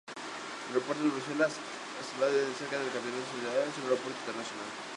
El Aeropuerto de Bruselas-Zaventem, cerca de la capital nacional, es un aeropuerto internacional.